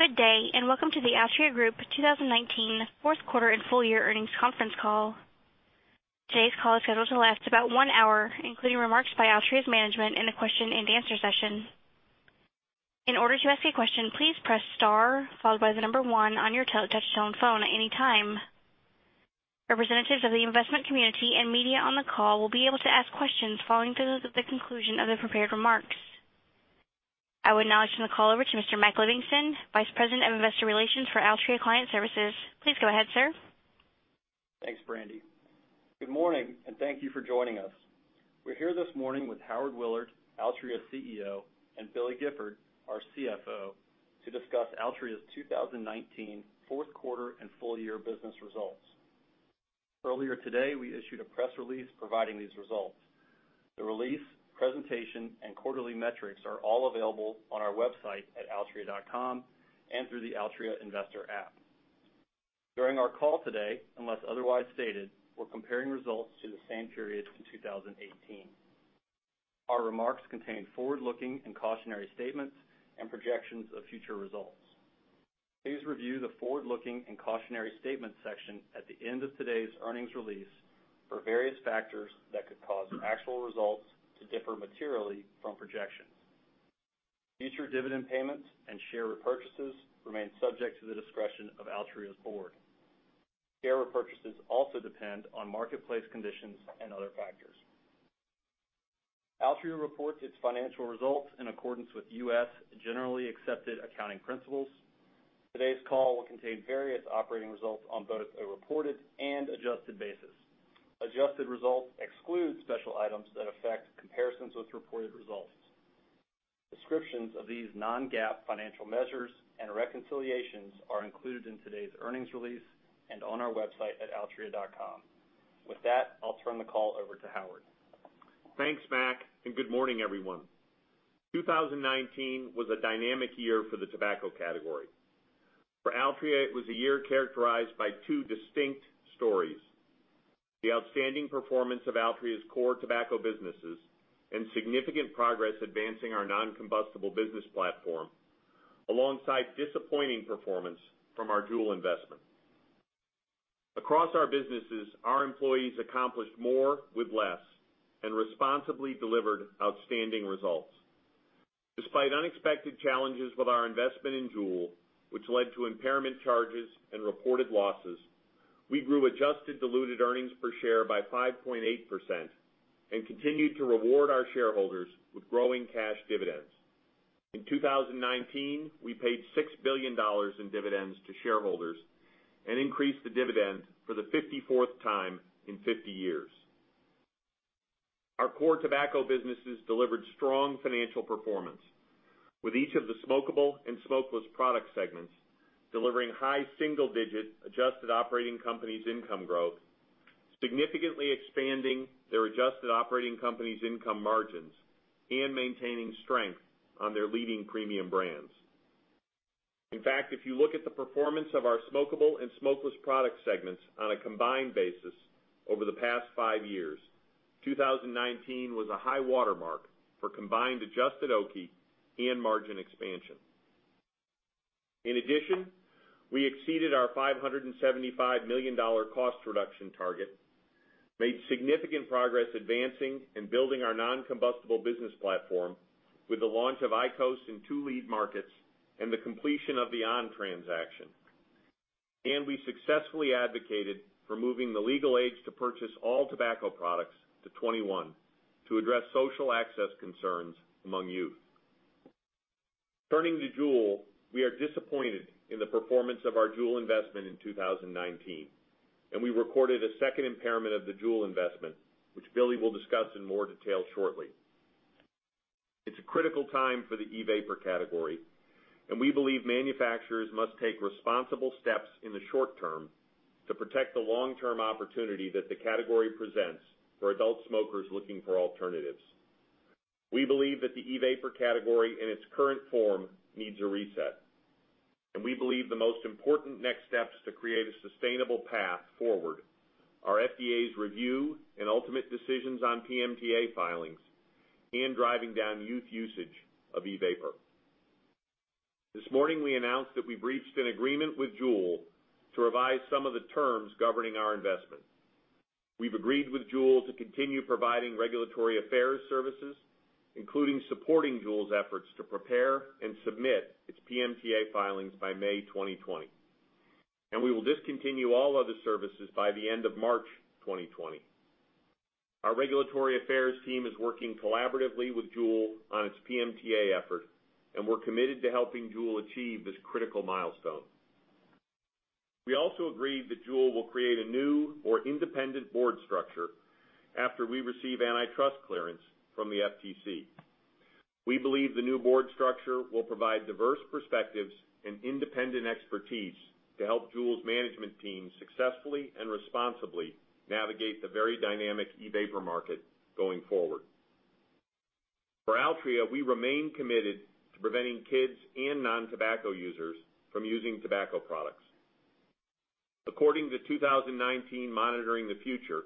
Good day, welcome to the Altria Group 2019 Fourth Quarter and FullYear earnings Conference call. Today's call is scheduled to last about one hour, including remarks by Altria's management and a question-and-answer session. In order to ask a question, please press star followed by the number one on your touch-tone phone at any time. Representatives of the investment community and media on the call will be able to ask questions following the conclusion of the prepared remarks. I would now turn the call over to Mr. Mac Livingston, Vice President of Investor Relations for Altria Client Services. Please go ahead, sir. Thanks, Brandy. Good morning, and thank you for joining us. We're here this morning with Howard Willard, Altria's CEO, and Billy Gifford, our CFO, to discuss Altria's 2019 Fourth Quarter and Full Year Business Results. Earlier today, we issued a press release providing these results. The release, presentation, and quarterly metrics are all available on our website at altria.com and through the Altria investor app. During our call today, unless otherwise stated, we're comparing results to the same period in 2018. Our remarks contain forward-looking and cautionary statements and projections of future results. Please review the forward-looking and cautionary statements section at the end of today's earnings release for various factors that could cause actual results to differ materially from projections. Future dividend payments and share repurchases remain subject to the discretion of Altria's board. Share repurchases also depend on marketplace conditions and other factors. Altria reports its financial results in accordance with U.S. generally accepted accounting principles. Today's call will contain various operating results on both a reported and adjusted basis. Adjusted results exclude special items that affect comparisons with reported results. Descriptions of these non-GAAP financial measures and reconciliations are included in today's earnings release and on our website at altria.com. With that, I'll turn the call over to Howard. Thanks, Mac, and good morning, everyone. 2019 was a dynamic year for the tobacco category. For Altria, it was a year characterized by two distinct stories. The outstanding performance of Altria's core tobacco businesses and significant progress advancing our non-combustible business platform, alongside disappointing performance from our JUUL investment. Across our businesses, our employees accomplished more with less and responsibly delivered outstanding results. Despite unexpected challenges with our investment in JUUL, which led to impairment charges and reported losses, we grew adjusted diluted earnings per share by 5.8% and continued to reward our shareholders with growing cash dividends. In 2019, we paid $6 billion in dividends to shareholders and increased the dividend for the 54th time in 50 years. Our core tobacco businesses delivered strong financial performance with each of the smokable and smokeless product segments, delivering high single-digit adjusted operating companies income growth, significantly expanding their adjusted operating companies income margins, and maintaining strength on their leading premium brands. In fact, if you look at the performance of our smokable and smokeless product segments on a combined basis over the past five years, 2019 was a high watermark for combined adjusted OCI and margin expansion. We exceeded our $575 million cost reduction target, made significant progress advancing and building our non-combustible business platform with the launch of IQOS in two lead markets and the completion of the on! transaction. We successfully advocated for moving the legal age to purchase all tobacco products to 21 to address social access concerns among youth. Turning to JUUL, we are disappointed in the performance of our JUUL investment in 2019. We recorded a second impairment of the JUUL investment, which Billy will discuss in more detail shortly. It's a critical time for the e-vapor category. We believe manufacturers must take responsible steps in the short term to protect the long-term opportunity that the category presents for adult smokers looking for alternatives. We believe that the e-vapor category in its current form needs a reset. We believe the most important next steps to create a sustainable path forward are FDA's review and ultimate decisions on PMTA filings and driving down youth usage of e-vapor. This morning, we announced that we've reached an agreement with JUUL to revise some of the terms governing our investment. We've agreed with JUUL to continue providing regulatory affairs services, including supporting JUUL's efforts to prepare and submit its PMTA filings by May 2020. We will discontinue all other services by the end of March 2020. Our regulatory affairs team is working collaboratively with JUUL on its PMTA effort, and we're committed to helping JUUL achieve this critical milestone. We also agreed that JUUL will create a new or independent board structure after we receive antitrust clearance from the FTC. We believe the new board structure will provide diverse perspectives and independent expertise to help JUUL's management team successfully and responsibly navigate the very dynamic e-vapor market going forward. For Altria, we remain committed to preventing kids and non-tobacco users from using tobacco products. According to 2019 Monitoring the Future,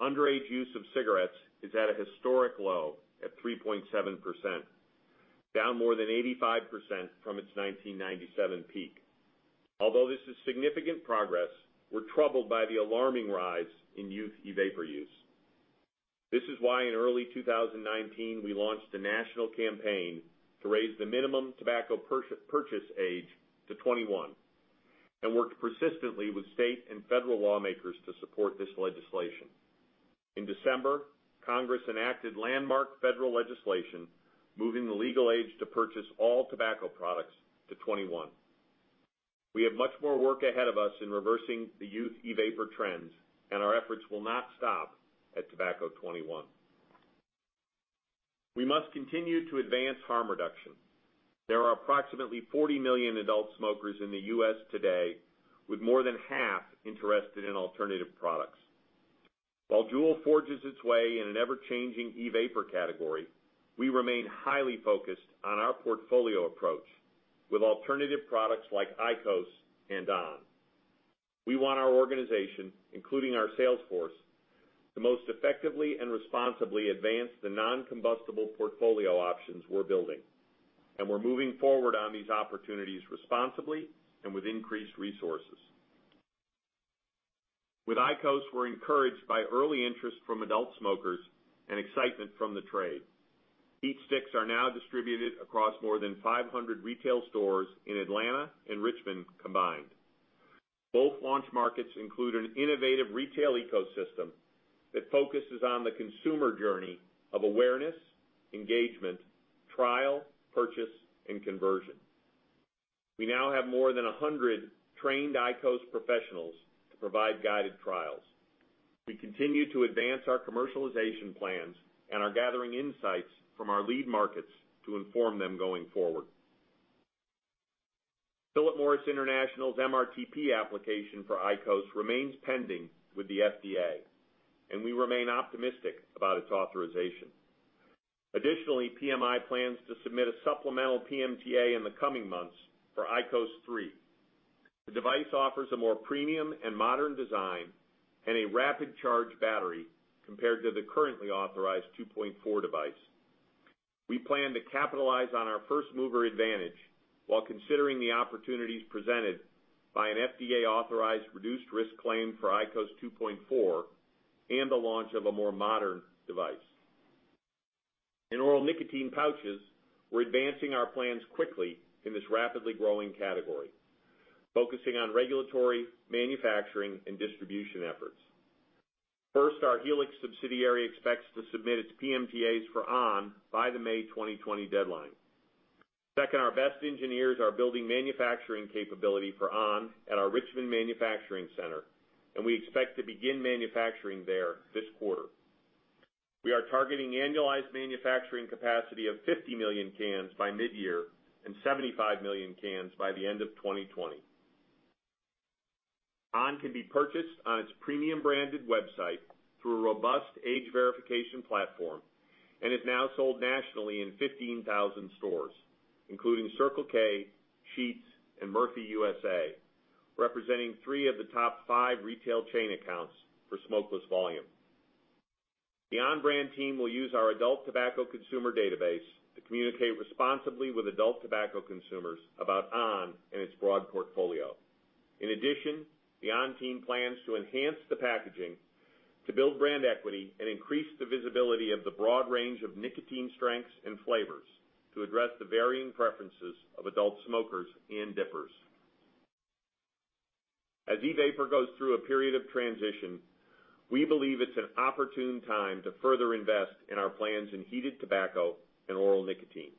underage use of cigarettes is at a historic low at 3.7%, down more than 85% from its 1997 peak. Although this is significant progress, we're troubled by the alarming rise in youth e-vapor use. This is why in early 2019, we launched a national campaign to raise the minimum tobacco purchase age to 21, and worked persistently with state and federal lawmakers to support this legislation. In December, Congress enacted landmark federal legislation moving the legal age to purchase all tobacco products to 21. We have much more work ahead of us in reversing the youth e-vapor trends, and our efforts will not stop at Tobacco 21. We must continue to advance harm reduction. There are approximately 40 million adult smokers in the U.S. today, with more than half interested in alternative products. While JUUL forges its way in an ever-changing e-vapor category, we remain highly focused on our portfolio approach with alternative products like IQOS and on!. We want our organization, including our sales force, to most effectively and responsibly advance the non-combustible portfolio options we're building, and we're moving forward on these opportunities responsibly and with increased resources. With IQOS, we're encouraged by early interest from adult smokers and excitement from the trade. HeatSticks are now distributed across more than 500 retail stores in Atlanta and Richmond combined. Both launch markets include an innovative retail ecosystem that focuses on the consumer journey of awareness, engagement, trial, purchase, and conversion. We now have more than 100 trained IQOS professionals to provide guided trials. We continue to advance our commercialization plans and are gathering insights from our lead markets to inform them going forward. Philip Morris International's MRTP application for IQOS remains pending with the FDA, and we remain optimistic about its authorization. Additionally, PMI plans to submit a supplemental PMTA in the coming months for IQOS 3. The device offers a more premium and modern design and a rapid charge battery compared to the currently authorized 2.4 device. We plan to capitalize on our first-mover advantage while considering the opportunities presented by an FDA-authorized reduced risk claim for IQOS 2.4 and the launch of a more modern device. In oral nicotine pouches, we're advancing our plans quickly in this rapidly growing category, focusing on regulatory, manufacturing, and distribution efforts. First, our Helix subsidiary expects to submit its PMTAs for on! by the May 2020 deadline. Second, our best engineers are building manufacturing capability for on! at our Richmond manufacturing center, and we expect to begin manufacturing there this quarter. We are targeting annualized manufacturing capacity of 50 million cans by mid-year and 75 million cans by the end of 2020. on! can be purchased on its premium branded website through a robust age verification platform and is now sold nationally in 15,000 stores, including Circle K, Sheetz, and Murphy USA, representing three of the top five retail chain accounts for smokeless volume. The on! brand team will use our adult tobacco consumer database to communicate responsibly with adult tobacco consumers about on! and its broad portfolio. In addition, the on! team plans to enhance the packaging to build brand equity and increase the visibility of the broad range of nicotine strengths and flavors to address the varying preferences of adult smokers and dippers. As e-vapor goes through a period of transition, we believe it's an opportune time to further invest in our plans in heated tobacco and oral nicotine.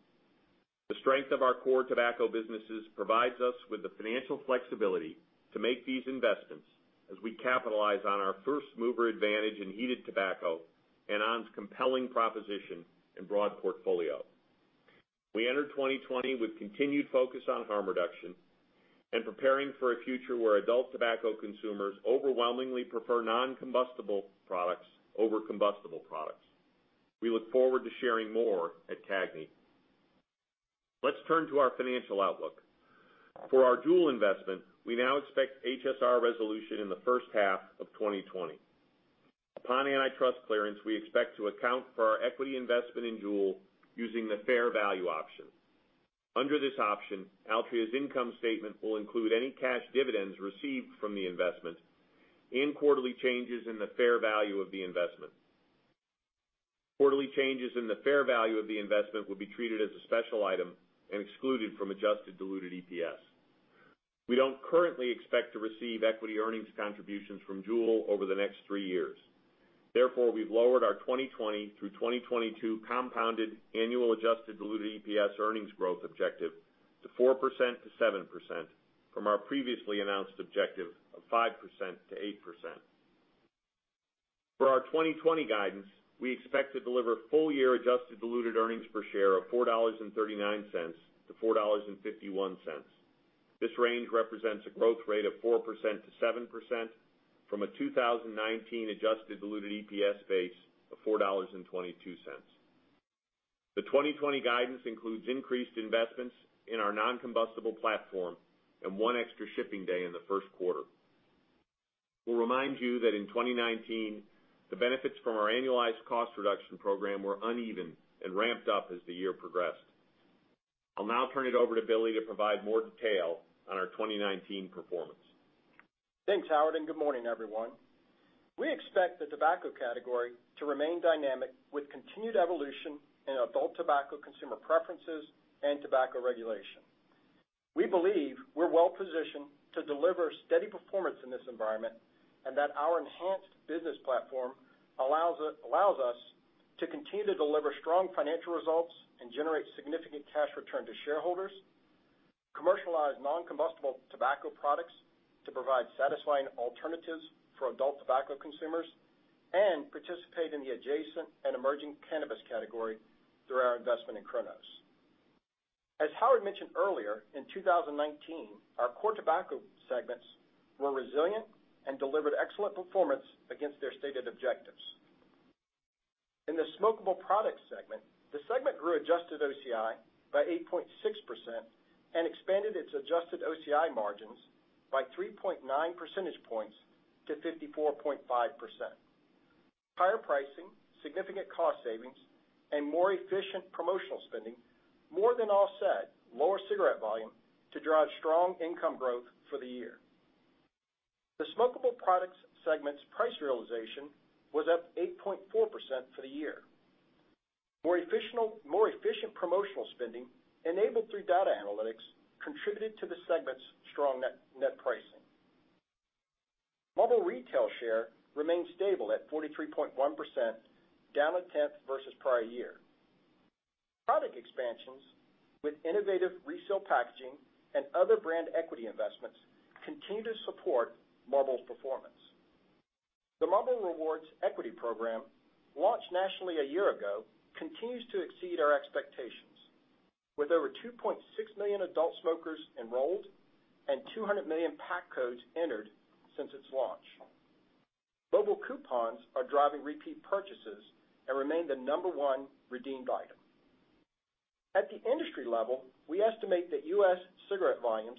The strength of our core tobacco businesses provides us with the financial flexibility to make these investments as we capitalize on our first-mover advantage in heated tobacco and on!'s compelling proposition and broad portfolio. We enter 2020 with continued focus on harm reduction and preparing for a future where adult tobacco consumers overwhelmingly prefer non-combustible products over combustible products. We look forward to sharing more at CAGNY. Let's turn to our financial outlook. For our JUUL investment, we now expect HSR resolution in the first half of 2020. Upon antitrust clearance, we expect to account for our equity investment in JUUL using the fair value option. Under this option, Altria's income statement will include any cash dividends received from the investment and quarterly changes in the fair value of the investment. Quarterly changes in the fair value of the investment will be treated as a special item and excluded from adjusted diluted EPS. We don't currently expect to receive equity earnings contributions from JUUL over the next three years. We've lowered our 2020 through 2022 compounded annual adjusted diluted EPS earnings growth objective to 4%-7% from our previously announced objective of 5%-8%. For our 2020 guidance, we expect to deliver full-year adjusted diluted earnings per share of $4.39 to $4.51. This range represents a growth rate of 4%-7% from a 2019 adjusted diluted EPS base of $4.22. The 2020 guidance includes increased investments in our non-combustible platform and one extra shipping day in the first quarter. We'll remind you that in 2019, the benefits from our annualized cost reduction program were uneven and ramped up as the year progressed. I'll now turn it over to Billy to provide more detail on our 2019 performance. Thanks, Howard. Good morning, everyone. We expect the tobacco category to remain dynamic, with continued evolution in adult tobacco consumer preferences and tobacco regulation. We believe we're well positioned to deliver steady performance in this environment. Our enhanced business platform allows us to continue to deliver strong financial results and generate significant cash return to shareholders, commercialize non-combustible tobacco products to provide satisfying alternatives for adult tobacco consumers, and participate in the adjacent and emerging cannabis category through our investment in Cronos. As Howard mentioned earlier, in 2019, our core tobacco segments were resilient and delivered excellent performance against their stated objectives. In the Smokable Products segment, the segment grew adjusted OCI by 8.6% and expanded its adjusted OCI margins by 3.9 percentage points to 54.5%. Higher pricing, significant cost savings, and more efficient promotional spending more than offset lower cigarette volume to drive strong income growth for the year. The Smokable Products Segment's price realization was up 8.4% for the year. More efficient promotional spending enabled through data analytics contributed to the segment's strong net pricing. Marlboro retail share remained stable at 43.1%, down 1/10 versus prior year. Product expansions with innovative resale packaging and other brand equity investments continue to support Marlboro's performance. The Marlboro Rewards equity program, launched nationally a year ago, continues to exceed our expectations with over 2.6 million adult smokers enrolled and 200 million pack codes entered since its launch. Marlboro coupons are driving repeat purchases and remain the number 1 redeemed item. At the industry level, we estimate that U.S. cigarette volumes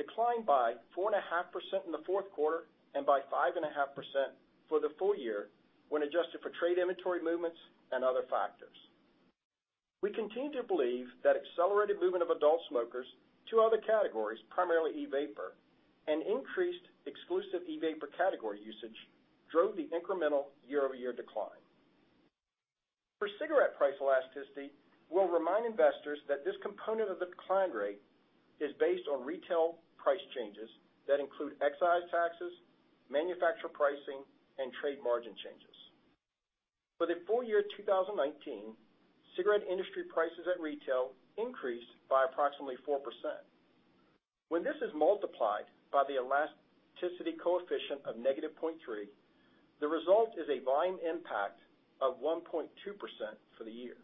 declined by 4.5% in the fourth quarter and by 5.5% for the full year when adjusted for trade inventory movements and other factors. We continue to believe that accelerated movement of adult smokers to other categories, primarily e-vapor, and increased exclusive e-vapor category usage drove the incremental year-over-year decline. For cigarette price elasticity, we'll remind investors that this component of the decline rate is based on retail price changes that include excise taxes, manufacturer pricing, and trade margin changes. For the full year 2019, cigarette industry prices at retail increased by approximately 4%. When this is multiplied by the elasticity coefficient of -0.3, the result is a volume impact of 1.2% for the year.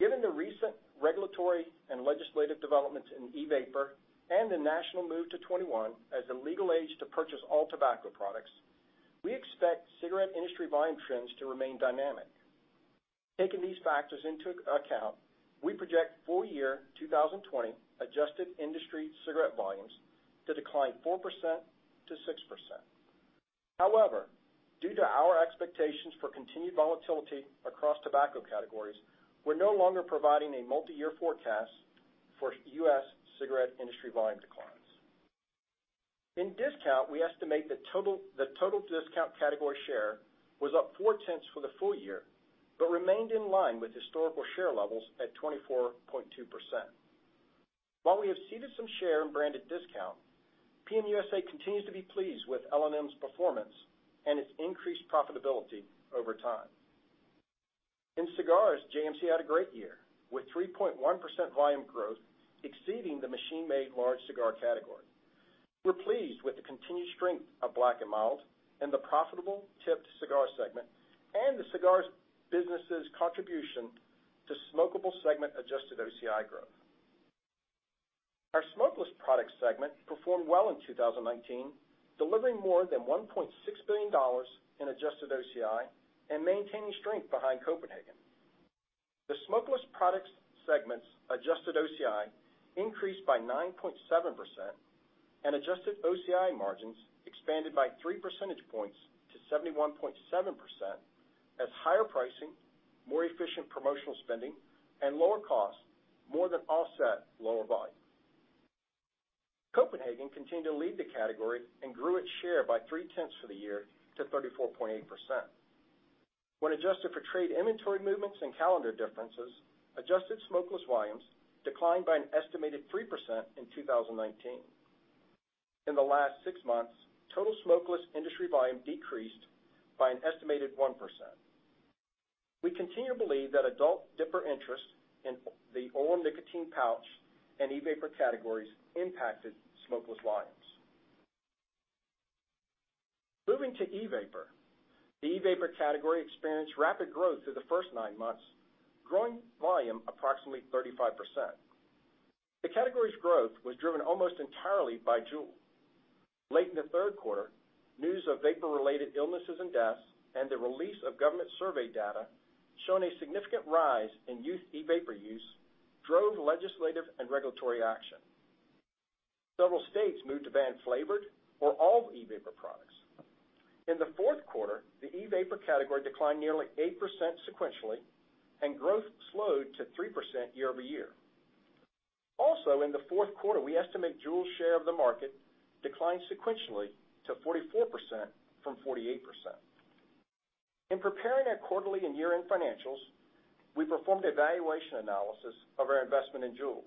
Given the recent regulatory and legislative developments in e-vapor and the national move to 21 as the legal age to purchase all tobacco products, we expect cigarette industry volume trends to remain dynamic. Taking these factors into account, we project full-year 2020 adjusted industry cigarette volumes to decline 4%-6%. However, due to our expectations for continued volatility across tobacco categories, we're no longer providing a multi-year forecast for U.S. cigarette industry volume declines. In discount, we estimate the total discount category share was up 4/10 for the full year, but remained in line with historical share levels at 24.2%. While we have ceded some share in branded discount, PM USA continues to be pleased with L&M's performance and its increased profitability over time. In cigars, JMC had a great year, with 3.1% volume growth exceeding the machine-made large cigar category. We're pleased with the continued strength of Black & Mild and the profitable tipped cigar segment and the cigars business' contribution to smokable segment adjusted OCI growth. Our smokeless products segment performed well in 2019, delivering more than $1.6 billion in adjusted OCI and maintaining strength behind Copenhagen. The smokeless products segment's adjusted OCI increased by 9.7%, and adjusted OCI margins expanded by three percentage points to 71.7% as higher pricing, more efficient promotional spending, and lower costs more than offset lower volume. Copenhagen continued to lead the category and grew its share by 3/10 for the year to 34.8%. When adjusted for trade inventory movements and calendar differences, adjusted smokeless volumes declined by an estimated 3% in 2019. In the last six months, total smokeless industry volume decreased by an estimated 1%. We continue to believe that adult dipper interest in the oral nicotine pouch and e-vapor categories impacted smokeless volumes. Moving to e-vapor. The e-vapor category experienced rapid growth through the first nine months, growing volume approximately 35%. The category's growth was driven almost entirely by JUUL. Late in the third quarter, news of vapor-related illnesses and deaths and the release of government survey data showing a significant rise in youth e-vapor use drove legislative and regulatory action. Several states moved to ban flavored or all e-vapor products. In the fourth quarter, the e-vapor category declined nearly 8% sequentially, and growth slowed to 3% year-over-year. Also, in the fourth quarter, we estimate JUUL's share of the market declined sequentially to 44% from 48%. In preparing our quarterly and year-end financials, we performed a valuation analysis of our investment in JUUL.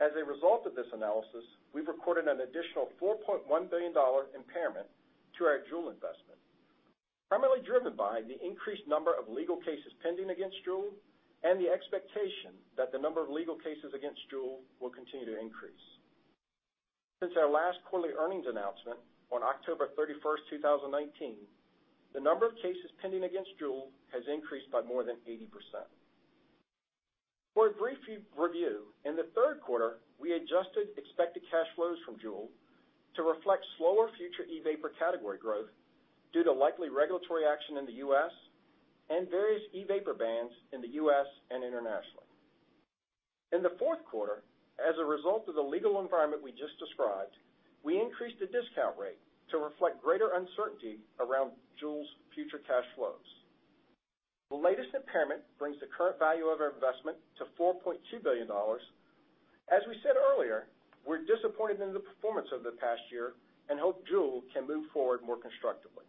As a result of this analysis, we recorded an additional $4.1 billion impairment to our JUUL investment, primarily driven by the increased number of legal cases pending against JUUL and the expectation that the number of legal cases against JUUL will continue to increase. Since our last quarterly earnings announcement on October 31, 2019, the number of cases pending against JUUL has increased by more than 80%. For a brief review, in the third quarter, we adjusted expected cash flows from JUUL to reflect slower future e-vapor category growth due to likely regulatory action in the U.S. and various e-vapor bans in the U.S. and internationally. In the fourth quarter, as a result of the legal environment we just described, we increased the discount rate to reflect greater uncertainty around JUUL's future cash flows. The latest impairment brings the current value of our investment to $4.2 billion. As we said earlier, we're disappointed in the performance over the past year and hope JUUL can move forward more constructively.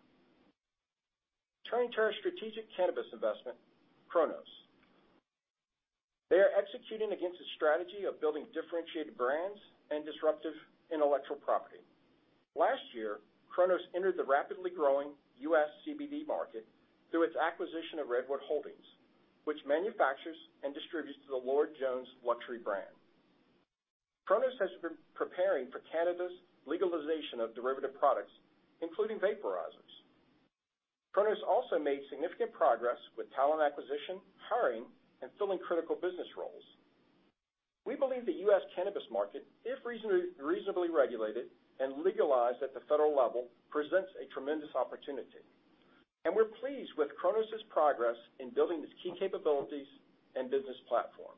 Turning to our strategic cannabis investment, Cronos. They are executing against a strategy of building differentiated brands and disruptive intellectual property. Last year, Cronos entered the rapidly growing U.S. CBD market through its acquisition of Redwood Holdings, which manufactures and distributes the Lord Jones luxury brand. Cronos has been preparing for Canada's legalization of derivative products, including vaporizers. Cronos also made significant progress with talent acquisition, hiring, and filling critical business roles. We believe the U.S. cannabis market, if reasonably regulated and legalized at the federal level, presents a tremendous opportunity, and we're pleased with Cronos' progress in building its key capabilities and business platform.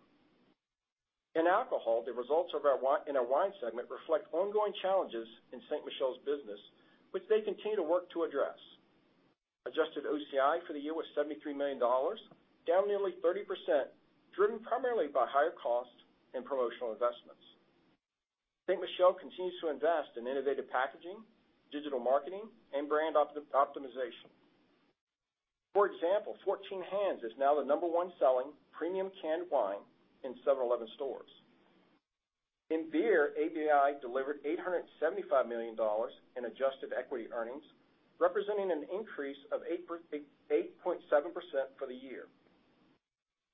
In alcohol, the results in our wine segment reflect ongoing challenges in Ste. Michelle's business, which they continue to work to address. Adjusted OCI for the year was $73 million, down nearly 30%, driven primarily by higher costs and promotional investments. Ste. Michelle continues to invest in innovative packaging, digital marketing, and brand optimization. For example, 14 Hands is now the number one selling premium canned wine in 7-Eleven stores. In beer, ABI delivered $875 million in adjusted equity earnings, representing an increase of 8.7% for the year.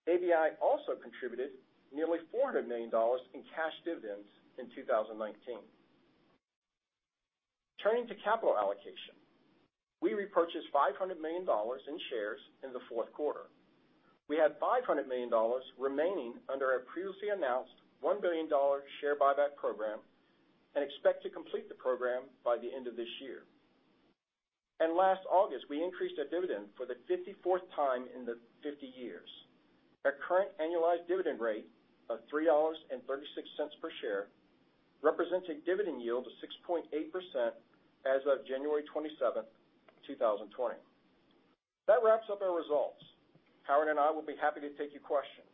ABI also contributed nearly $400 million in cash dividends in 2019. Turning to capital allocation. We repurchased $500 million in shares in the fourth quarter. We had $500 million remaining under our previously announced $1 billion share buyback program and expect to complete the program by the end of this year. Last August, we increased our dividend for the 54th time in the 50 years. Our current annualized dividend rate of $3.36 per share represents a dividend yield of 6.8% as of January 27, 2020. That wraps up our results. Howard and I will be happy to take your questions.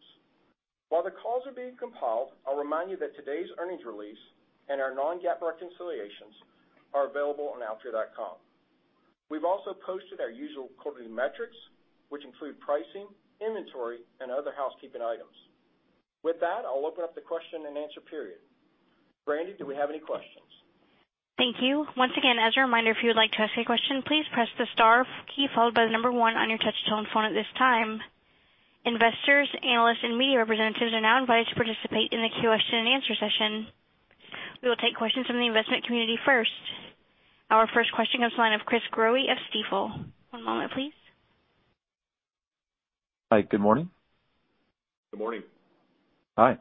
While the calls are being compiled, I'll remind you that today's earnings release and our non-GAAP reconciliations are available on altria.com. We've also posted our usual quarterly metrics, which include pricing, inventory, and other housekeeping items. With that, I'll open up the question and answer period. Brandy, do we have any questions? Thank you. Once again, as a reminder, if you would like to ask a question, please press the star key followed by the number one on your touch-tone phone at this time. Investors, analysts, and media representatives are now invited to participate in the question and answer session. We will take questions from the investment community first. Our first question comes the line of Chris Growe of Stifel. One moment please. Hi, good morning. Good morning. Hi.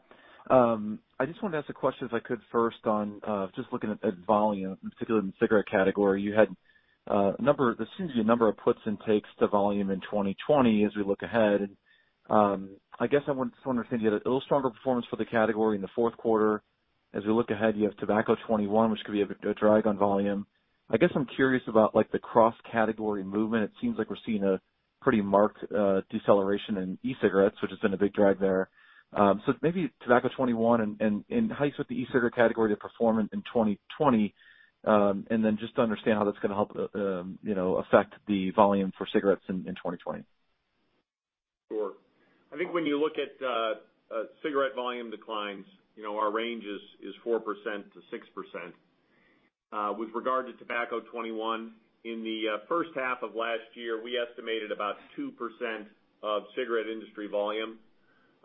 I just wanted to ask a question if I could first on, just looking at volume, in particular in the cigarette category. It seems you had a number of puts and takes to volume in 2020 as we look ahead. I guess I want to understand, you had a little stronger performance for the category in the fourth quarter. As we look ahead, you have Tobacco 21, which could be a drag on volume. I guess I'm curious about the cross-category movement. It seems like we're seeing a pretty marked deceleration in e-cigarettes, which has been a big drag there. Maybe Tobacco 21 and how you set the e-cigarette category to perform in 2020, and then just to understand how that's going to affect the volume for cigarettes in 2020. Sure. I think when you look at cigarette volume declines, our range is 4%-6%. With regard to Tobacco 21, in the first half of last year, we estimated about 2% of cigarette industry volume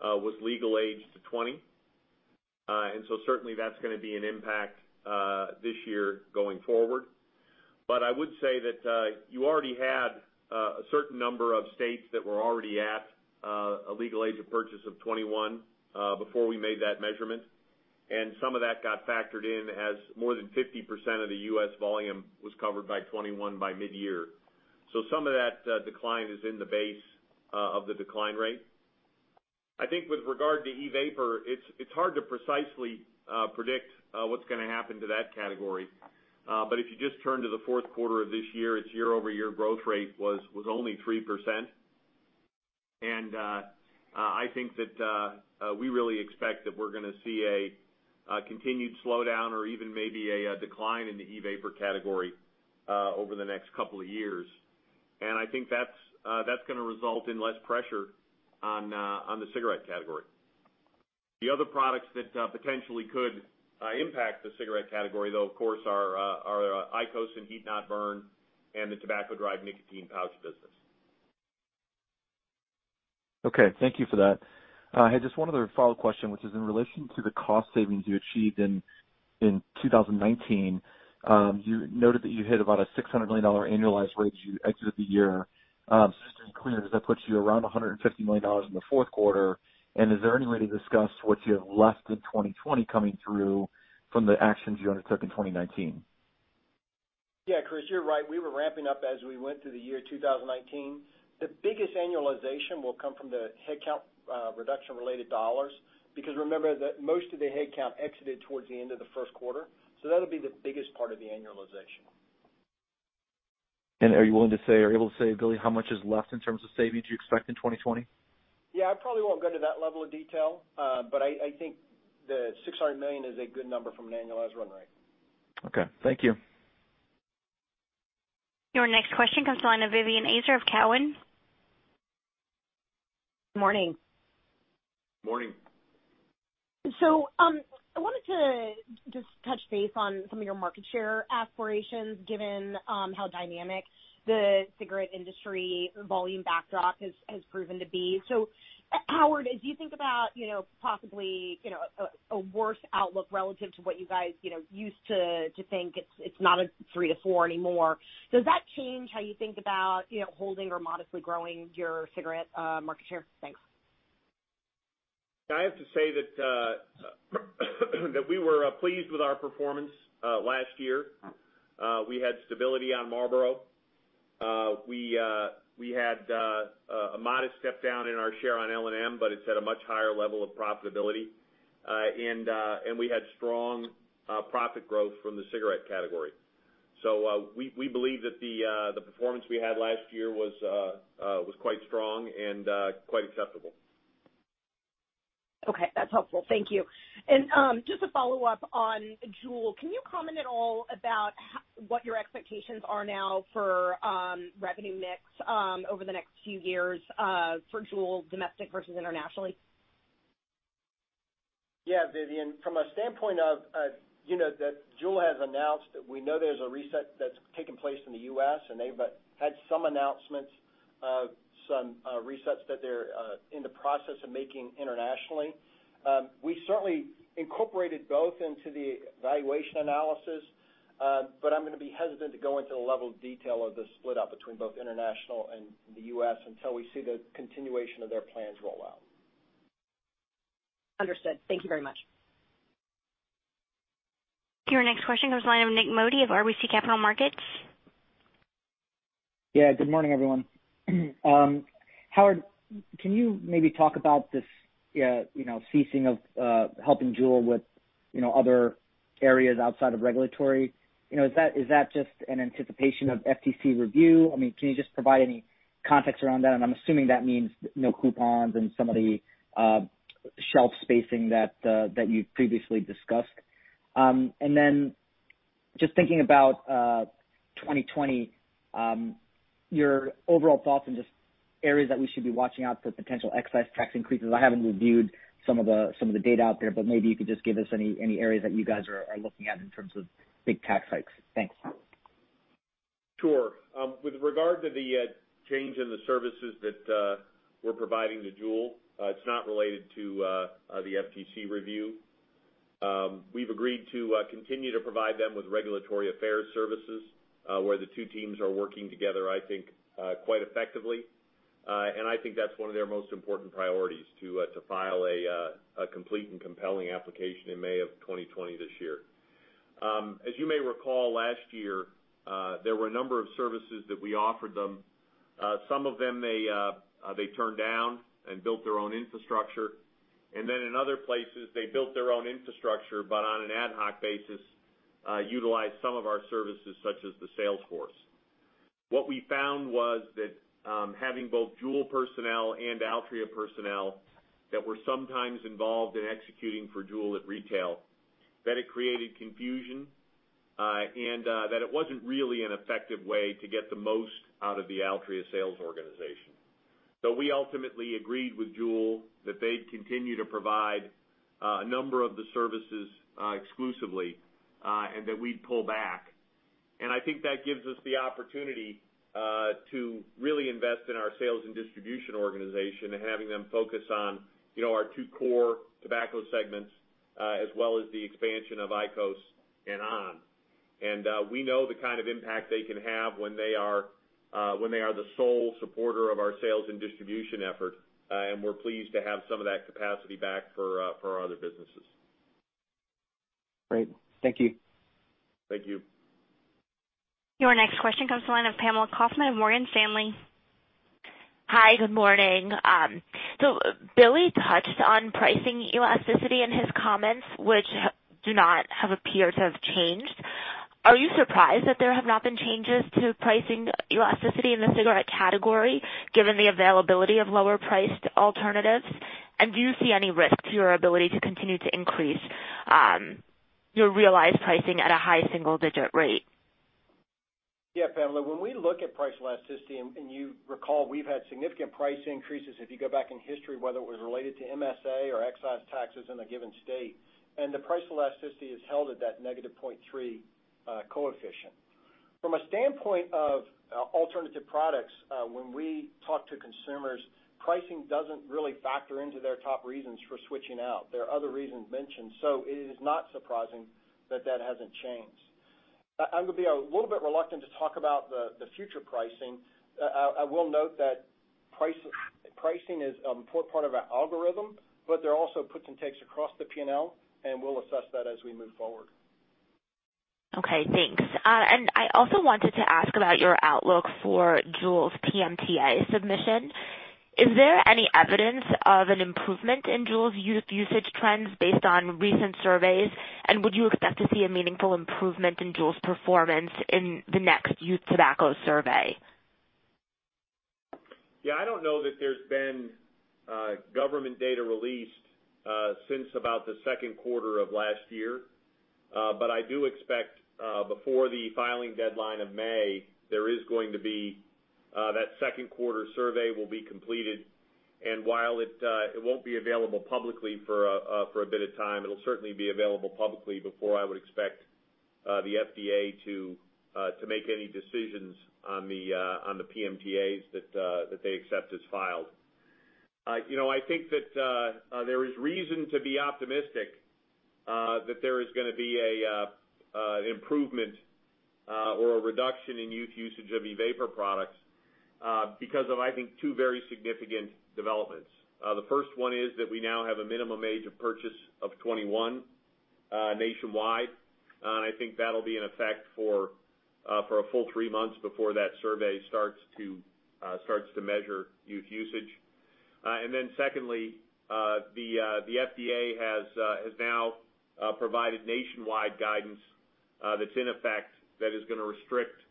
was legal age to 20. Certainly, that's going to be an impact this year going forward. I would say that you already had a certain number of states that were already at a legal age of purchase of 21 before we made that measurement. Some of that got factored in as more than 50% of the U.S. volume was covered by 21 by mid-year. Some of that decline is in the base of the decline rate. I think with regard to e-vapor, it's hard to precisely predict what's going to happen to that category. If you just turn to the fourth quarter of this year, its year-over-year growth rate was only 3%. I think that we really expect that we're going to see a continued slowdown or even maybe a decline in the e-vapor category over the next couple of years. I think that's going to result in less pressure on the cigarette category. The other products that potentially could impact the cigarette category, though, of course, are IQOS and heat-not-burn and the tobacco-derived nicotine pouch business. Okay. Thank you for that. I had just one other follow question, which is in relation to the cost savings you achieved in 2019. You noted that you hit about a $600 million annualized rate as you exited the year. Just doing clear, does that put you around $150 million in the fourth quarter? Is there any way to discuss what you have left in 2020 coming through from the actions you undertook in 2019? Yeah, Chris, you're right. We were ramping up as we went through the year 2019. The biggest annualization will come from the headcount reduction related dollars, because remember that most of the headcount exited towards the end of the first quarter, so that'll be the biggest part of the annualization. Are you willing to say or able to say, Billy, how much is left in terms of savings you expect in 2020? Yeah, I probably won't go to that level of detail. I think the $600 million is a good number from an annualized run rate. Okay. Thank you. Your next question comes on the line of Vivien Azer of Cowen. Morning. Morning. I wanted to just touch base on some of your market share aspirations, given how dynamic the cigarette industry volume backdrop has proven to be. Howard, as you think about possibly a worse outlook relative to what you guys used to think, it's not a 3-4 anymore, does that change how you think about holding or modestly growing your cigarette market share? Thanks. I have to say that we were pleased with our performance last year. We had stability on Marlboro. We had a modest step down in our share on L&M. It's at a much higher level of profitability. We had strong profit growth from the cigarette category. We believe that the performance we had last year was quite strong and quite acceptable. Okay. That's helpful. Thank you. Just to follow up on JUUL, can you comment at all about what your expectations are now for revenue mix over the next few years for JUUL, domestic versus internationally? Yeah, Vivien, from a standpoint of that JUUL has announced that we know there's a reset that's taking place in the U.S., and they've had some announcements of some resets that they're in the process of making internationally. We certainly incorporated both into the valuation analysis, but I'm going to be hesitant to go into the level of detail of the split up between both international and the U.S. until we see the continuation of their plans roll out. Understood. Thank you very much. Your next question goes to line of Nik Modi of RBC Capital Markets. Good morning, everyone. Howard, can you maybe talk about this ceasing of helping JUUL with other areas outside of regulatory? Is that just an anticipation of FTC review? Can you just provide any context around that? I'm assuming that means no coupons and some of the shelf spacing that you previously discussed. Just thinking about 2020, your overall thoughts and just areas that we should be watching out for potential excise tax increases. I haven't reviewed some of the data out there, maybe you could just give us any areas that you guys are looking at in terms of big tax hikes. Thanks. Sure. With regard to the change in the services that we're providing to JUUL, it's not related to the FTC review. We've agreed to continue to provide them with regulatory affairs services, where the two teams are working together, I think, quite effectively. I think that's one of their most important priorities, to file a complete and compelling application in May of 2020 this year. As you may recall, last year, there were a number of services that we offered them. Some of them they turned down and built their own infrastructure. In other places, they built their own infrastructure, but on an ad hoc basis, utilized some of our services, such as the sales force. What we found was that having both JUUL personnel and Altria personnel that were sometimes involved in executing for JUUL at retail, that it created confusion, it wasn't really an effective way to get the most out of the Altria sales organization. We ultimately agreed with JUUL that they'd continue to provide a number of the services exclusively, we'd pull back. I think that gives us the opportunity to really invest in our sales and distribution organization and having them focus on our two core tobacco segments, as well as the expansion of IQOS and on!. We know the kind of impact they can have when they are the sole supporter of our sales and distribution effort. We're pleased to have some of that capacity back for our other businesses. Great. Thank you. Thank you. Your next question comes the line of Pamela Kaufman of Morgan Stanley. Hi, good morning. Billy touched on pricing elasticity in his comments, which do not have appeared to have changed. Are you surprised that there have not been changes to pricing elasticity in the cigarette category, given the availability of lower priced alternatives? Do you see any risks to your ability to continue to increase your realized pricing at a high single-digit rate? Pamela, when we look at price elasticity, and you recall, we've had significant price increases if you go back in history, whether it was related to MSA or excise taxes in a given state, and the price elasticity has held at that negative 0.3 coefficient. From a standpoint of alternative products, when we talk to consumers, pricing doesn't really factor into their top reasons for switching out. There are other reasons mentioned, so it is not surprising that that hasn't changed. I'm going to be a little bit reluctant to talk about the future pricing. I will note that pricing is an important part of our algorithm, but there are also puts and takes across the P&L, and we'll assess that as we move forward. Okay, thanks. I also wanted to ask about your outlook for JUUL's PMTA submission. Is there any evidence of an improvement in JUUL's youth usage trends based on recent surveys? Would you expect to see a meaningful improvement in JUUL's performance in the next Youth Tobacco Survey? Yeah, I don't know that there's been government data released since about the second quarter of last year. I do expect, before the filing deadline of May, that second quarter survey will be completed, and while it won't be available publicly for a bit of time, it'll certainly be available publicly before I would expect the FDA to make any decisions on the PMTAs that they accept as filed. I think that there is reason to be optimistic that there is going to be an improvement or a reduction in youth usage of e-vapor products because of, I think, two very significant developments. The first one is that we now have a minimum age of purchase of 21 nationwide. I think that'll be in effect for a full three months before that survey starts to measure youth usage. Secondly, the FDA has now provided nationwide guidance that's in effect that is going to restrict,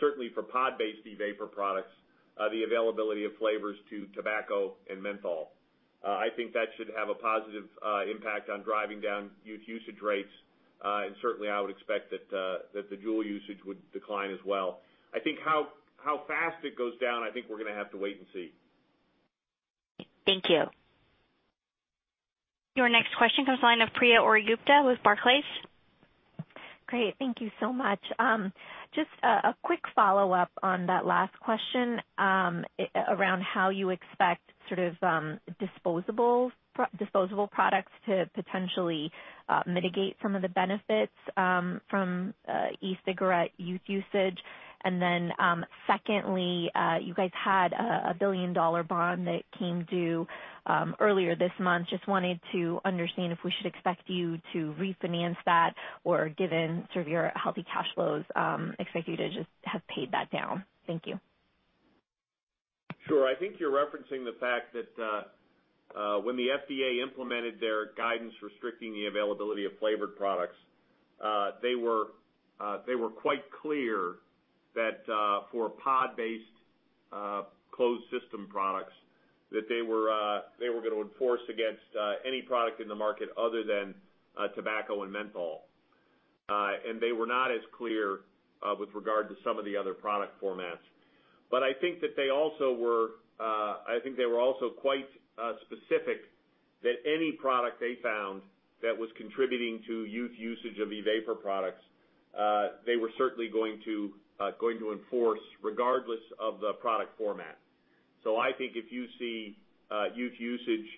certainly for pod-based e-vapor products, the availability of flavors to tobacco and menthol. I think that should have a positive impact on driving down youth usage rates. And certainly, I would expect that the JUUL usage would decline as well. I think how fast it goes down, I think we're going to have to wait and see. Thank you. Your next question comes the line of Priya Ohri-Gupta with Barclays. Great. Thank you so much. Just a quick follow-up on that last question around how you expect sort of disposable products to potentially mitigate some of the benefits from e-cigarette youth usage. Secondly, you guys had a billion-dollar bond that came due earlier this month. Just wanted to understand if we should expect you to refinance that or given sort of your healthy cash flows expect you to just have paid that down. Thank you. Sure. I think you're referencing the fact that when the FDA implemented their guidance restricting the availability of flavored products, they were quite clear that for pod-based closed system products, that they were going to enforce against any product in the market other than tobacco and menthol. They were not as clear with regard to some of the other product formats. I think that they also were quite specific that any product they found that was contributing to youth usage of e-vapor products, they were certainly going to enforce regardless of the product format. I think if you see youth usage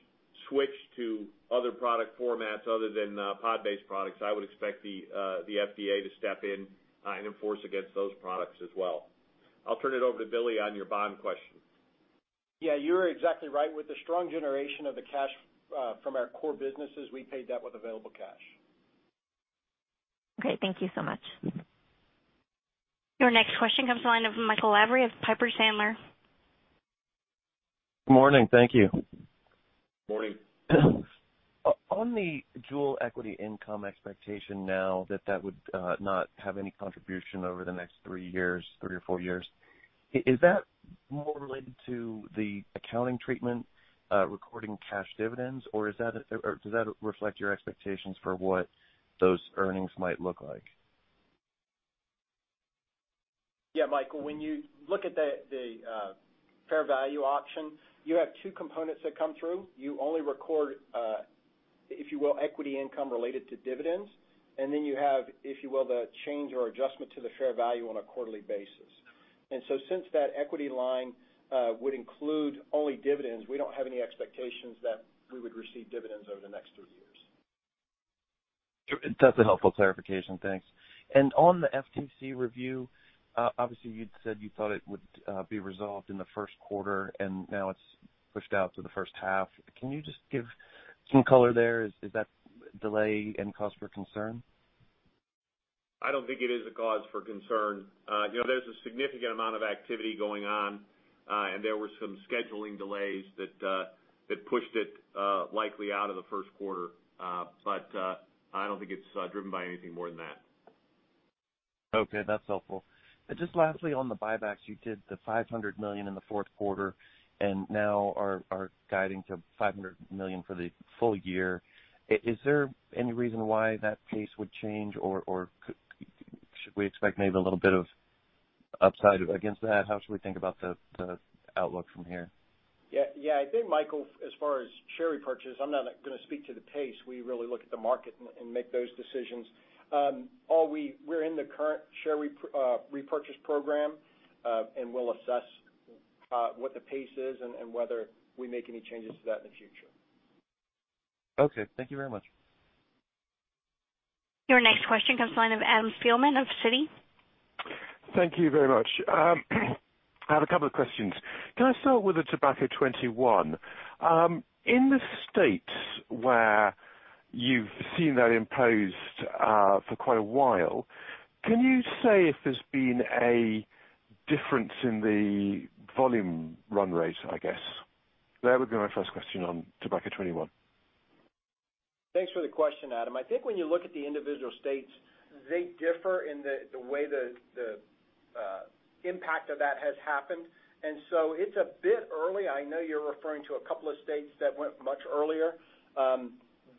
switch to other product formats other than pod-based products, I would expect the FDA to step in and enforce against those products as well. I'll turn it over to Billy on your bond question. Yeah, you're exactly right. With the strong generation of the cash from our core businesses, we paid that with available cash. Okay. Thank you so much. Your next question comes the line of Michael Lavery of Piper Sandler. Good morning. Thank you. Morning. On the JUUL equity income expectation now that that would not have any contribution over the next three years, three or four years, is that more related to the accounting treatment, recording cash dividends, or does that reflect your expectations for what those earnings might look like? Michael, when you look at the fair value option, you have two components that come through. You only record, if you will, equity income related to dividends, then you have, if you will, the change or adjustment to the fair value on a quarterly basis. Since that equity line would include only dividends, we don't have any expectations that we would receive dividends over the next three years. That's a helpful clarification. Thanks. On the FTC review, obviously you'd said you thought it would be resolved in the first quarter and now it's pushed out to the first half. Can you just give some color there? Is that delay any cause for concern? I don't think it is a cause for concern. There's a significant amount of activity going on, and there were some scheduling delays that pushed it likely out of the first quarter. I don't think it's driven by anything more than that. Okay, that's helpful. Just lastly, on the buybacks, you did the $500 million in the fourth quarter, and now are guiding to $500 million for the full year. Is there any reason why that pace would change, or should we expect maybe a little bit of upside against that? How should we think about the outlook from here? Yeah. I think, Michael, as far as share repurchase, I'm not going to speak to the pace. We really look at the market and make those decisions. We're in the current share repurchase program, and we'll assess what the pace is and whether we make any changes to that in the future. Okay. Thank you very much. Your next question comes the line of Adam Spielman of Citi. Thank you very much. I have a couple of questions. Can I start with the Tobacco 21? In the states where you've seen that imposed for quite a while, can you say if there's been a difference in the volume run rate, I guess? That would be my first question on Tobacco 21. Thanks for the question, Adam. I think when you look at the individual states, they differ in the way the impact of that has happened. It's a bit early. I know you're referring to a couple of states that went much earlier.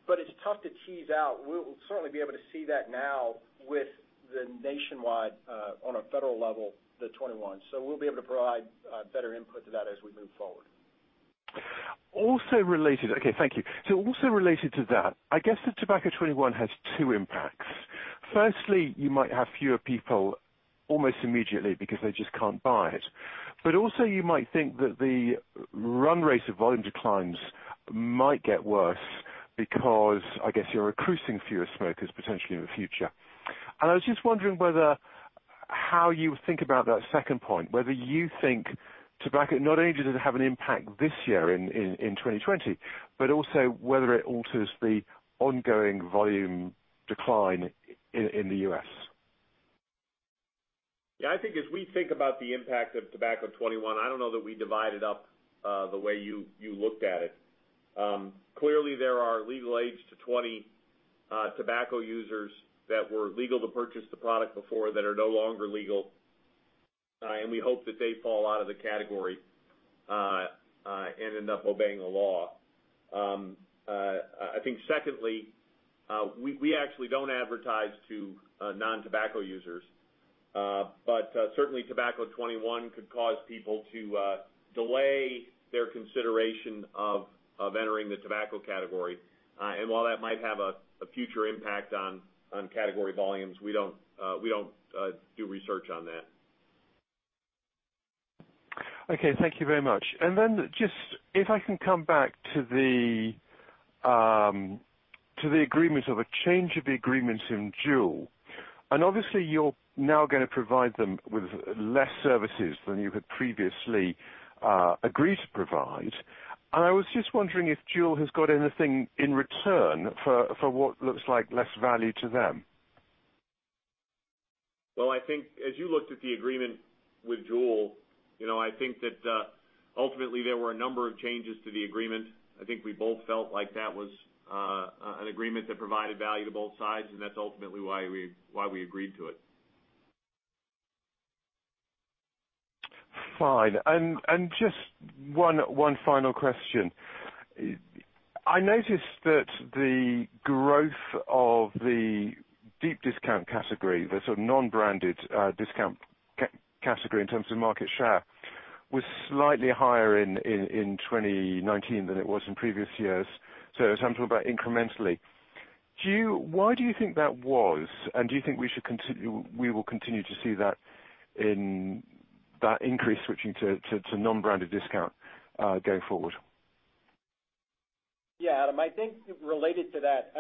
It's tough to tease out. We'll certainly be able to see that now with the nationwide, on a federal level, the 21. We'll be able to provide better input to that as we move forward. Okay, thank you. Also related to that, I guess that Tobacco 21 has two impacts. Firstly, you might have fewer people almost immediately because they just can't buy it. Also you might think that the run rate of volume declines might get worse because, I guess you're recruiting fewer smokers potentially in the future. I was just wondering how you think about that second point, whether you think Tobacco not only does it have an impact this year in 2020, but also whether it alters the ongoing volume decline in the U.S. Yeah, I think as we think about the impact of Tobacco 21, I don't know that we divide it up the way you looked at it. Clearly, there are legal age to 20 tobacco users that were legal to purchase the product before that are no longer legal. We hope that they fall out of the category and end up obeying the law. I think secondly, we actually don't advertise to non-tobacco users. Certainly Tobacco 21 could cause people to delay their consideration of entering the tobacco category. While that might have a future impact on category volumes, we don't do research on that. Okay. Thank you very much. Then just, if I can come back to the agreement of a change of the agreement in JUUL. Obviously you're now going to provide them with less services than you had previously agreed to provide. I was just wondering if JUUL has got anything in return for what looks like less value to them. Well, I think as you looked at the agreement with JUUL, I think that ultimately there were a number of changes to the agreement. I think we both felt like that was an agreement that provided value to both sides, and that's ultimately why we agreed to it. Fine. Just one final question. I noticed that the growth of the deep discount category, the sort of non-branded discount category in terms of market share, was slightly higher in 2019 than it was in previous years. I'm talking about incrementally. Why do you think that was? Do you think we will continue to see that increase switching to non-branded discount, going forward? Yeah, Adam, I think related to that.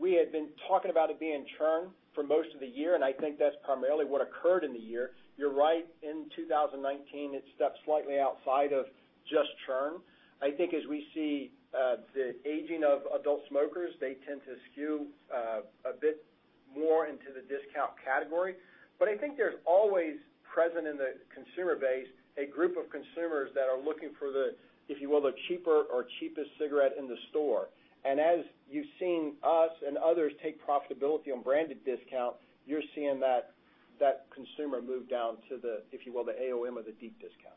We had been talking about it being churn for most of the year, and I think that's primarily what occurred in the year. You're right. In 2019, it stepped slightly outside of just churn. I think as we see the aging of adult smokers, they tend to skew a bit more into the discount category. I think there's always present in the consumer base, a group of consumers that are looking for the, if you will, the cheaper or cheapest cigarette in the store. As you've seen us and others take profitability on branded discount, you're seeing that consumer move down to the, if you will, the AOM of the deep discount.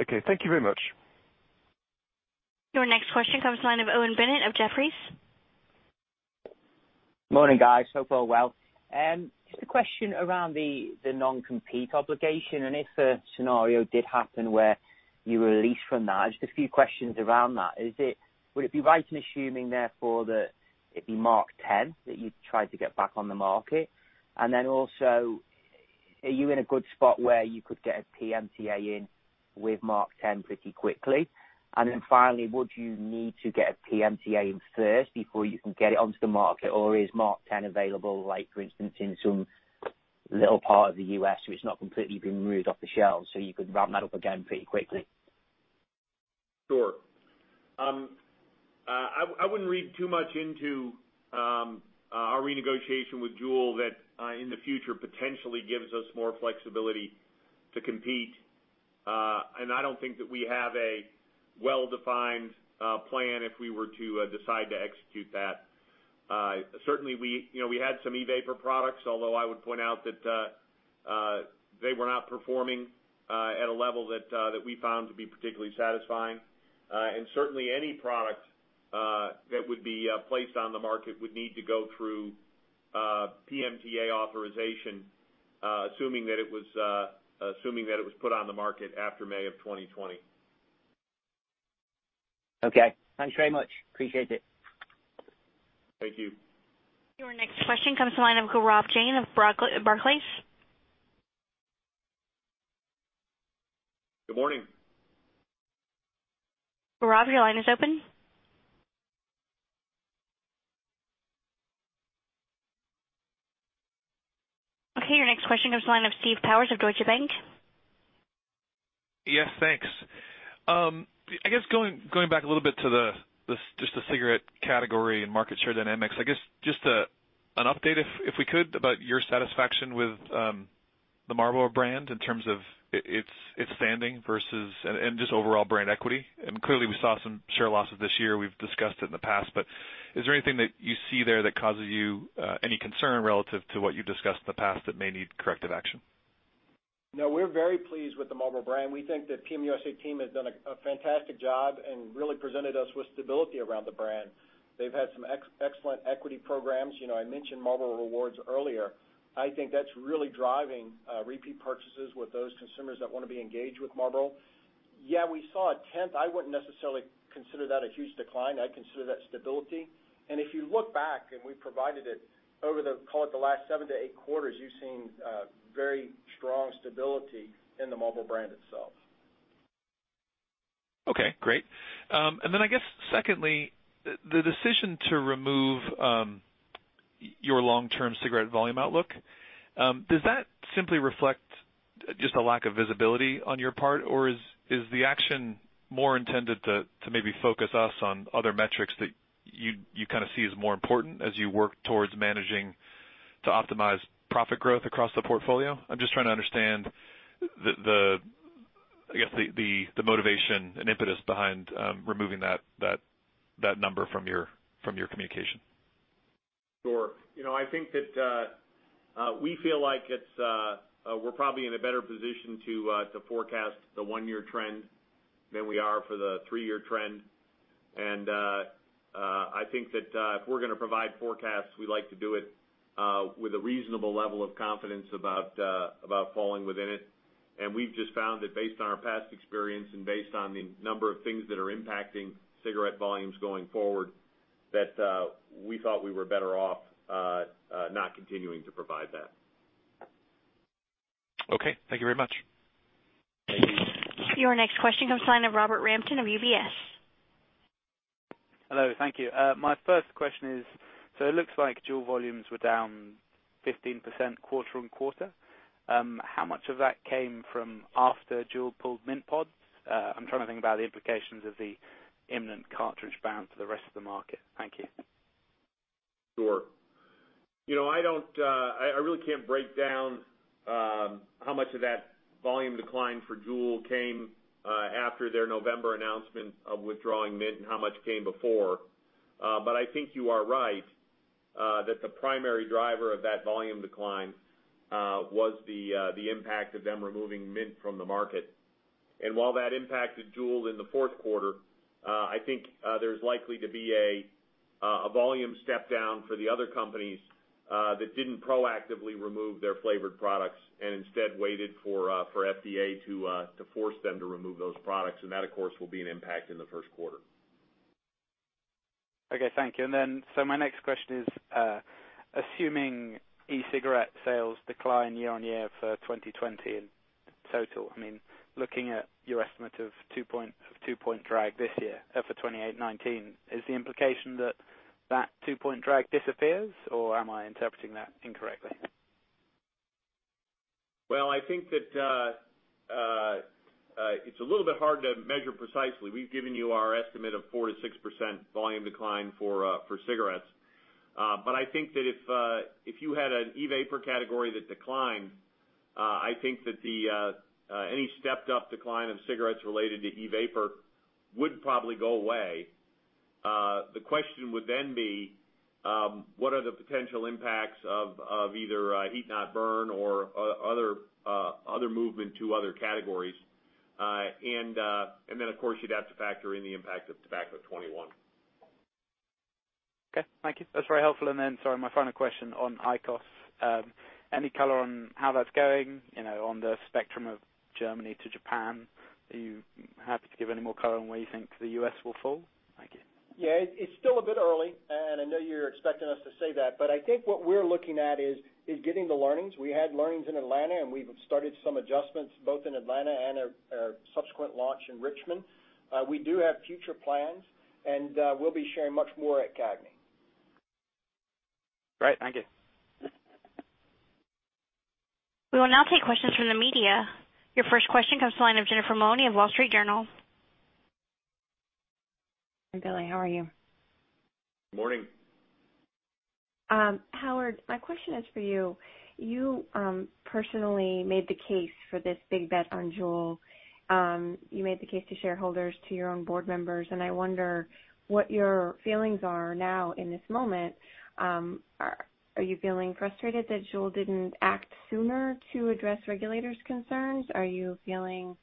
Okay. Thank you very much. Your next question comes the line of Owen Bennett of Jefferies. Morning, guys, hope you're well. Just a question around the non-compete obligation, and if a scenario did happen where you were released from that, just a few questions around that. Would it be right in assuming therefore that it'd be MarkTen that you'd try to get back on the market? Are you in a good spot where you could get a PMTA in with MarkTen pretty quickly? Finally, would you need to get a PMTA in first before you can get it onto the market, or is MarkTen available, for instance, in some little part of the U.S. where it's not completely been removed off the shelves, so you could ramp that up again pretty quickly? Sure. I wouldn't read too much into our renegotiation with JUUL that in the future potentially gives us more flexibility to compete. I don't think that we have a well-defined plan if we were to decide to execute that. Certainly, we had some e-vapor products, although I would point out that they were not performing at a level that we found to be particularly satisfying. Certainly, any product that would be placed on the market would need to go through PMTA authorization, assuming that it was put on the market after May of 2020. Okay. Thanks very much. Appreciate it. Thank you. Your next question comes to the line of Gaurav Jain of Barclays. Good morning. Gaurav, your line is open. Your next question goes to the line of Steve Powers of Deutsche Bank. Yes, thanks. I guess going back a little bit to just the cigarette category and market share dynamics, I guess just an update, if we could, about your satisfaction with the Marlboro brand in terms of its standing versus and just overall brand equity. Clearly, we saw some share losses this year. We've discussed it in the past, but is there anything that you see there that causes you any concern relative to what you've discussed in the past that may need corrective action? No, we're very pleased with the Marlboro brand. We think the PM USA team has done a fantastic job and really presented us with stability around the brand. They've had some excellent equity programs. I mentioned Marlboro Rewards earlier. I think that's really driving repeat purchases with those consumers that want to be engaged with Marlboro. Yeah, we saw a tenth. I wouldn't necessarily consider that a huge decline. I'd consider that stability. If you look back, and we provided it over the, call it the last seven to eight quarters, you've seen very strong stability in the Marlboro brand itself. Okay, great. I guess secondly, the decision to remove your long-term cigarette volume outlook, does that simply reflect just a lack of visibility on your part, or is the action more intended to maybe focus us on other metrics that you kind of see as more important as you work towards managing to optimize profit growth across the portfolio? I'm just trying to understand the motivation and impetus behind removing that number from your communication. Sure. I think that we feel like we're probably in a better position to forecast the one-year trend than we are for the three-year trend. I think that if we're going to provide forecasts, we like to do it with a reasonable level of confidence about falling within it. We've just found that based on our past experience and based on the number of things that are impacting cigarette volumes going forward, that we thought we were better off not continuing to provide that. Okay. Thank you very much. Thank you. Your next question comes from the line of Robert Rampton of UBS. Hello, thank you. My first question is, it looks like JUUL volumes were down 15% quarter-over-quarter. How much of that came from after JUUL pulled Mint Pods? I'm trying to think about the implications of the imminent cartridge ban for the rest of the market. Thank you. Sure. I really can't break down how much of that volume decline for JUUL came after their November announcement of withdrawing Mint and how much came before. I think you are right, that the primary driver of that volume decline was the impact of them removing Mint from the market. While that impacted JUUL in the fourth quarter, I think there's likely to be a volume step down for the other companies that didn't proactively remove their flavored products and instead waited for FDA to force them to remove those products, and that, of course, will be an impact in the first quarter. Okay, thank you. My next question is, assuming e-cigarette sales decline year-on-year for 2020 in total, I mean, looking at your estimate of two-point drag this year for 2019, is the implication that that two-point drag disappears, or am I interpreting that incorrectly? Well, I think that it's a little bit hard to measure precisely. We've given you our estimate of 4% to 6% volume decline for cigarettes. I think that if you had an e-vapor category that declined, I think that any stepped up decline of cigarettes related to e-vapor would probably go away. The question would then be, what are the potential impacts of either heat not burn or other movement to other categories? Of course, you'd have to factor in the impact of Tobacco 21. Okay. Thank you. That's very helpful. Sorry, my final question on IQOS. Any color on how that's going on the spectrum of Germany to Japan? Are you happy to give any more color on where you think the U.S. will fall? It's still a bit early, and I know you're expecting us to say that, but I think what we're looking at is getting the learnings. We had learnings in Atlanta, and we've started some adjustments both in Atlanta and our subsequent launch in Richmond. We do have future plans, and we'll be sharing much more at CAGNY. Great. Thank you. We will now take questions from the media. Your first question comes to the line of Jennifer Maloney of Wall Street Journal. Hi, Billy, how are you? Morning. Howard, my question is for you. You personally made the case for this big bet on JUUL. You made the case to shareholders, to your own board members, and I wonder what your feelings are now in this moment. Are you feeling frustrated that JUUL didn't act sooner to address regulators' concerns? Are you feeling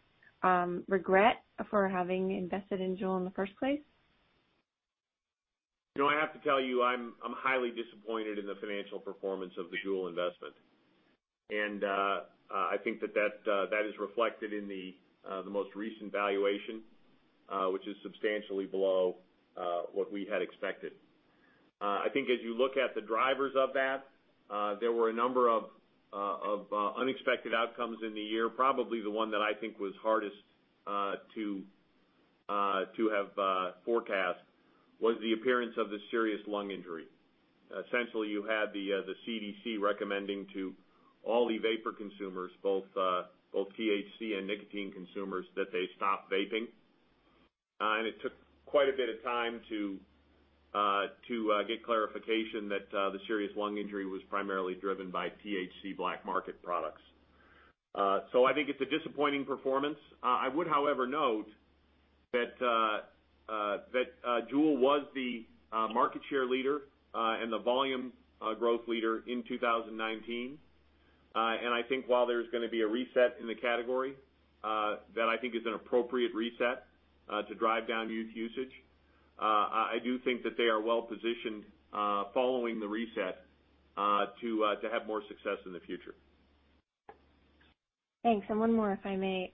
regret for having invested in JUUL in the first place? I have to tell you, I'm highly disappointed in the financial performance of the JUUL investment. I think that is reflected in the most recent valuation, which is substantially below what we had expected. I think as you look at the drivers of that, there were a number of unexpected outcomes in the year. Probably the one that I think was hardest to have forecast was the appearance of the serious lung injury. Essentially, you had the CDC recommending to all e-vapor consumers, both THC and nicotine consumers, that they stop vaping. It took quite a bit of time to get clarification that the serious lung injury was primarily driven by THC black market products. I think it's a disappointing performance. I would, however, note that JUUL was the market share leader and the volume growth leader in 2019. I think while there's going to be a reset in the category, that I think is an appropriate reset to drive down youth usage. I do think that they are well-positioned following the reset to have more success in the future. Thanks. One more, if I may.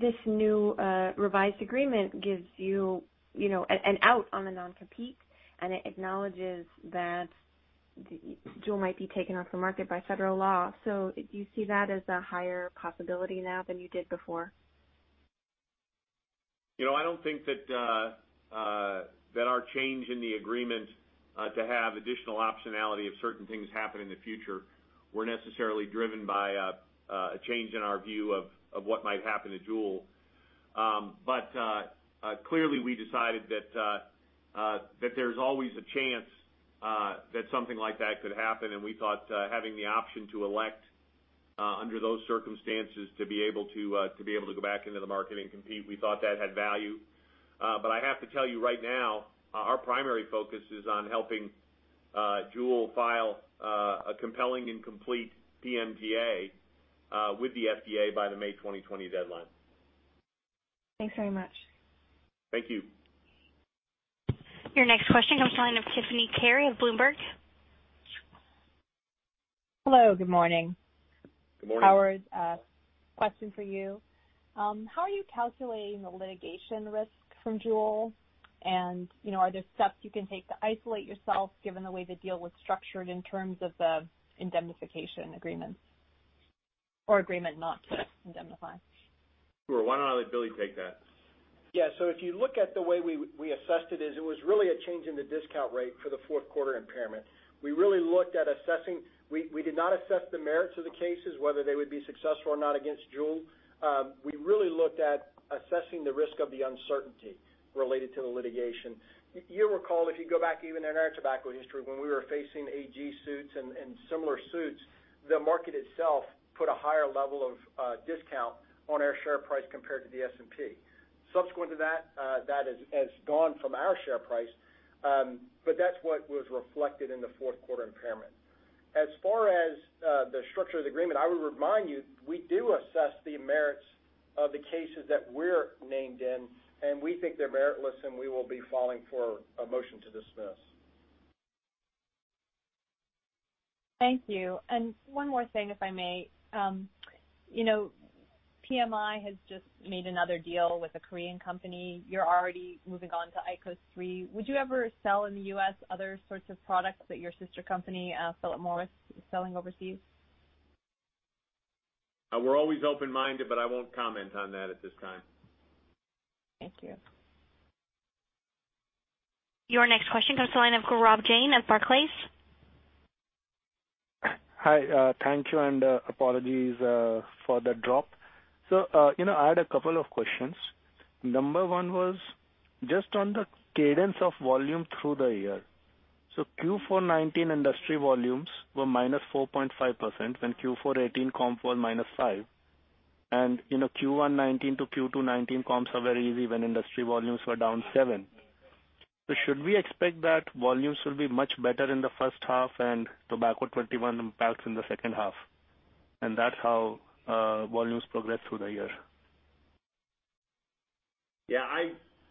This new revised agreement gives you an out on the non-compete, and it acknowledges that JUUL might be taken off the market by federal law. Do you see that as a higher possibility now than you did before? I don't think that our change in the agreement to have additional optionality if certain things happen in the future were necessarily driven by a change in our view of what might happen to JUUL. Clearly, we decided that there's always a chance that something like that could happen, and we thought having the option to elect under those circumstances to be able to go back into the market and compete, we thought that had value. I have to tell you right now, our primary focus is on helping JUUL file a compelling and complete PMTA with the FDA by the May 2020 deadline. Thanks very much. Thank you. Your next question comes to the line of Tiffany Kary of Bloomberg. Hello, good morning. Good morning. Howard, question for you. How are you calculating the litigation risk from JUUL? Are there steps you can take to isolate yourself given the way the deal was structured in terms of the indemnification agreements or agreement not to indemnify? Sure. Why don't I let Billy take that? If you look at the way we assessed it is, it was really a change in the discount rate for the fourth quarter impairment. We did not assess the merits of the cases, whether they would be successful or not against JUUL. We really looked at assessing the risk of the uncertainty related to the litigation. You'll recall, if you go back even in our tobacco history, when we were facing AG suits and similar suits, the market itself put a higher level of discount on our share price compared to the S&P. Subsequent to that has gone from our share price, but that's what was reflected in the fourth quarter impairment. As far as the structure of the agreement, I would remind you, we do assess the merits of the cases that we're named in. We think they're meritless. We will be filing for a motion to dismiss. Thank you. One more thing, if I may. PMI has just made another deal with a Korean company. You're already moving on to IQOS 3. Would you ever sell in the U.S. other sorts of products that your sister company, Philip Morris, is selling overseas? We're always open-minded, but I won't comment on that at this time. Thank you. Your next question comes to the line of Gaurav Jain at Barclays. Hi. Thank you, apologies for the drop. I had a couple of questions. Number one was just on the cadence of volume through the year. Q4 2019 industry volumes were -4.5%, when Q4 2018 comp was -5%. Q1 2019 to Q2 2019 comps are very easy when industry volumes were down 7%. Should we expect that volumes will be much better in the first half and Tobacco 21 packs in the second half, and that's how volumes progress through the year? Yeah,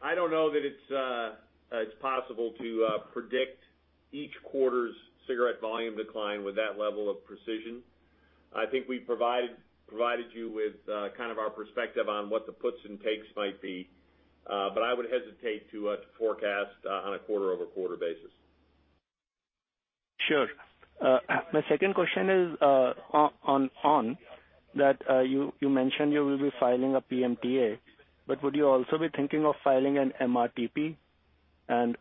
I don't know that it's possible to predict each quarter's cigarette volume decline with that level of precision. I think we provided you with our perspective on what the puts and takes might be, but I would hesitate to forecast on a quarter-over-quarter basis. Sure. My second question is on on! that you mentioned you will be filing a PMTA, but would you also be thinking of filing an MRTP?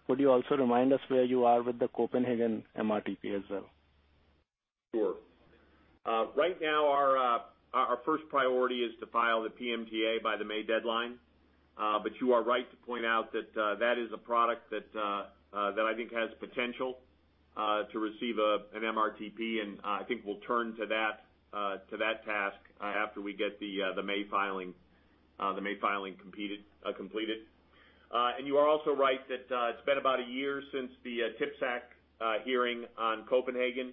Would you also remind us where you are with the Copenhagen MRTP as well? Sure. Right now, our first priority is to file the PMTA by the May deadline. You are right to point out that is a product that I think has potential to receive an MRTP, and I think we'll turn to that task after we get the May filing completed. You are also right that it's been about a year since the TPSAC hearing on Copenhagen.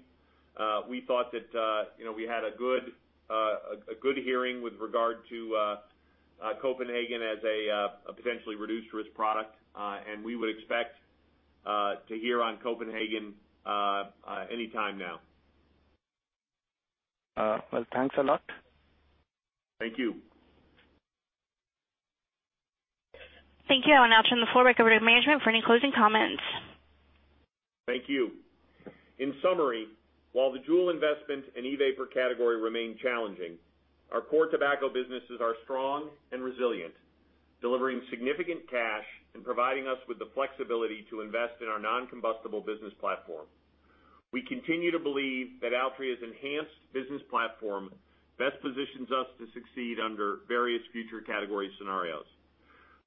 We thought that we had a good hearing with regard to Copenhagen as a potentially reduced-risk product, and we would expect to hear on Copenhagen anytime now. Well, thanks a lot. Thank you. Thank you. I'll now turn the floor back over to management for any closing comments. Thank you. In summary, while the JUUL investment and e-vapor category remain challenging, our core tobacco businesses are strong and resilient, delivering significant cash and providing us with the flexibility to invest in our non-combustible business platform. We continue to believe that Altria's enhanced business platform best positions us to succeed under various future category scenarios.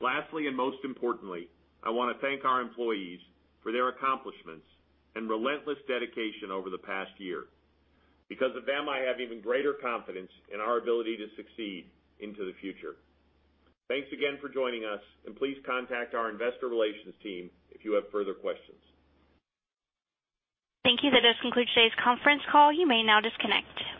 Lastly, and most importantly, I want to thank our employees for their accomplishments and relentless dedication over the past year. Because of them, I have even greater confidence in our ability to succeed into the future. Thanks again for joining us, and please contact our investor relations team if you have further questions. Thank you. That does conclude today's conference call. You may now disconnect.